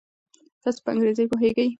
تاسو په انګریزي پوهیږئ؟